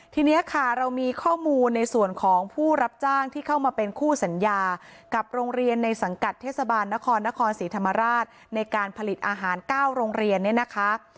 ทีนี้ค่ะเรามีข้อมูลในส่วนของผู้รับจ้างที่เข้ามาเป็นคู่สัญญากับโรงเรียนในสังกัดเทศบาลนครนครศรีธรรมราชในการผลิตอาหาร๙โรงเรียนเนี่ยนะคะ